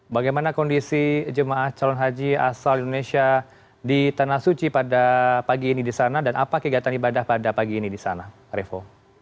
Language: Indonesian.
bagaimana kondisi jemaah calon haji asal indonesia di tanah suci pada pagi ini di sana dan apa kegiatan ibadah pada pagi ini di sana revo